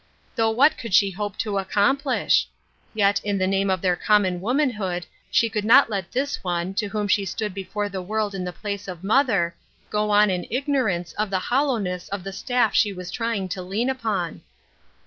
Though what could she hope to accomplish ? Yet in the name of their common womanhood she could not let this one, to whom she stood before the world in the place of mother, go on in ignorance of the hollowness of the staff she was trying to lean upon.